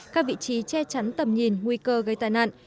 các vị trí che chắn tầm nhìn nguy cơ gây tai nạn